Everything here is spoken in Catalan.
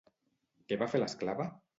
Què va fer l'esclava?